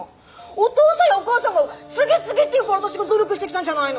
お父さんやお母さんが「継げ継げ」って言うから私が努力してきたんじゃないの！